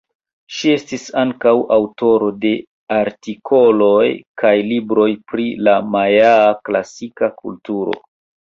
Ŝi estis ankaŭ aŭtoro de artikoloj kaj libroj pri la majaa klasika kulturo.